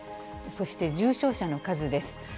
そして重症者の数です。